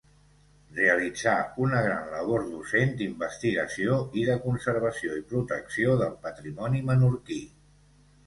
Realitzà una gran labor docent, d'investigació, i de conservació i protecció del patrimoni menorquí.